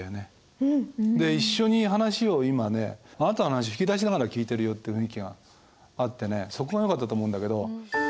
で一緒に話を今ねあなたの話引き出しながら聞いてるよって雰囲気があってそこがよかったと思うんだけど。